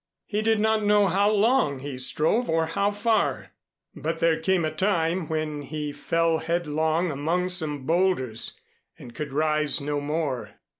He did not know how long he strove or how far, but there came a time when he fell headlong among some boulders and could rise no more.